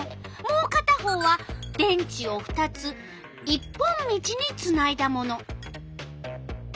もうかた方は電池を２つ一本道につないだもの。